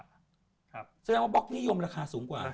แสดงว่าบล็อกนิยมราคาสูงกว่า